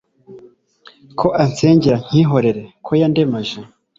Ko ansengera ncyihoreye, Ko yandemaje